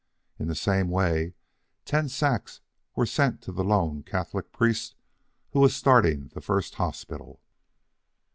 In the same way ten sacks were sent to the lone Catholic priest who was starting the first hospital.